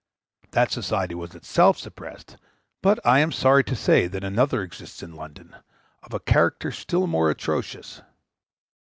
That society was itself suppressed but I am sorry to say that another exists in London, of a character still more atrocious.